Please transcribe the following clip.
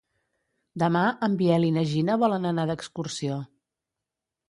Demà en Biel i na Gina volen anar d'excursió.